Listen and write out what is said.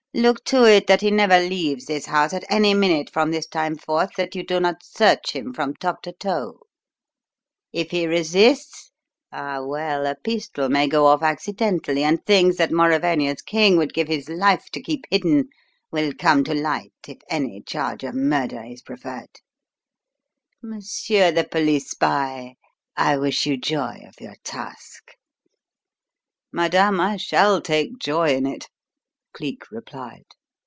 Look to it that he never leaves this house at any minute from this time forth that you do not search him from top to toe. If he resists ah, well, a pistol may go off accidentally, and things that Mauravania's king would give his life to keep hidden will come to light if any charge of murder is preferred. Monsieur the police spy, I wish you joy of your task." "Madame, I shall take joy in it," Cleek replied.